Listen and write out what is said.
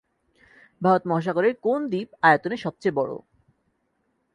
ভারত মহাসাগরের কোন দ্বীপ আয়তনে সবচেয়ে বড়?